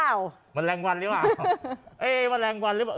แมงแมงแมงแมงแมงแมงแมงแมงแมงแมงแมงแมงแมงแมง